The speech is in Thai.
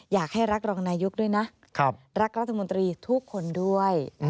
อยากให้รักรองนายกด้วยนะรักรัฐมนตรีทุกคนด้วย